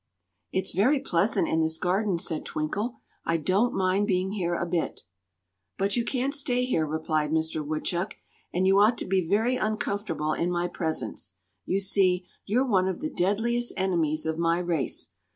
"It's very pleasant in this garden," said Twinkle. "I don't mind being here a bit." "But you can't stay here," replied Mister Woodchuck, "and you ought to be very uncomfortable in my presence. You see, you're one of the deadliest enemies of my race.